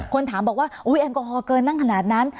คนถามบอกว่าอุ๊ยแอลกอฮอลเกินนั่งขนาดนั้น